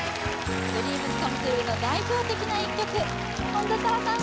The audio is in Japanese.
ＤＲＥＡＭＳＣＯＭＥＴＲＵＥの代表的な１曲本田紗来さん